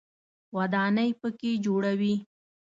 ودانۍ په کې جوړوي.